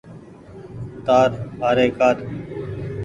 تآر ٻآري ڪآڏ۔